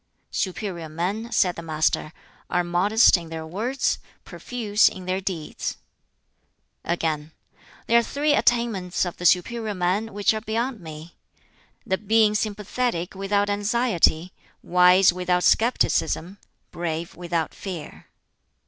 "Superior men," said the Master, "are modest in their words, profuse in their deeds." Again, "There are three attainments of the superior man which are beyond me the being sympathetic without anxiety, wise without scepticism, brave without fear."